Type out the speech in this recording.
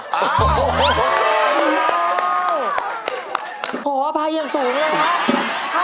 โอ้โหขออภัยอย่างสูงเลยครับ